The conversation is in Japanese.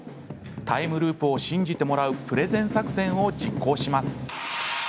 タイムループを信じてもらうプレゼン作戦を実行します。